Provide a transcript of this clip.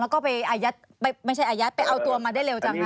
แล้วก็ไปอายัดไม่ใช่อายัดไปเอาตัวมาได้เร็วจังคะ